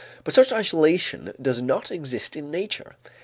But such isolation does not exist in nature.